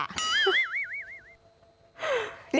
อือ